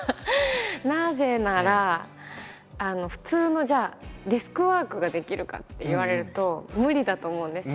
なぜなら普通のじゃあデスクワークができるかって言われると無理だと思うんですよ。